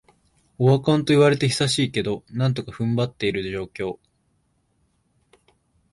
オワコンと言われて久しいけど、なんとか踏ん張ってる状況